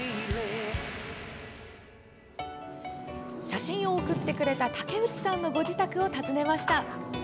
写真を送ってくれた竹内さんのご自宅を訪ねました。